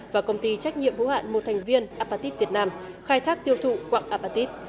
và công ty trách nhiệm bố hạn một thành viên abatit việt nam khai thác tiêu thụ quạng abatit